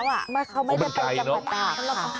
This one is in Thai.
เขาไม่ได้ไปจังหวัดตากค่ะโอ้มันไกลเนอะ